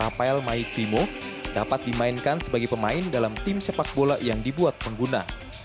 dan rafael maik vimo dapat dimainkan sebagai pemain dalam tim sepak bola yang dibuat pengguna